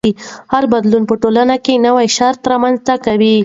هر بدلون په ټولنه کې نوي شرایط رامنځته کوي.